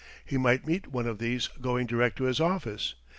He might meet one of these going direct to his office.